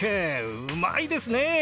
うまいですね。